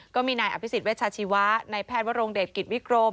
ก็มีนายอภิษฎเวชาชีวะนายแพทย์วรงเดชกิจวิกรม